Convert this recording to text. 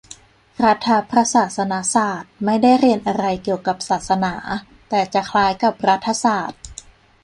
รัฐประศาสนศาสตร์ ไม่ได้เรียนอะไรเกี่ยวกับศาสนา แต่จะคล้ายกับรัฐศาสตร์